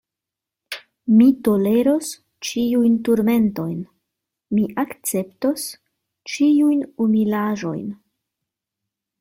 Mi toleros ĉiujn turmentojn, mi akceptos ĉiujn humilaĵojn.